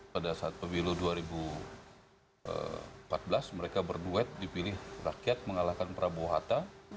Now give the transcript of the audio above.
pada saat pemilu dua ribu empat belas mereka berduet dipilih rakyat mengalahkan prabowo hatta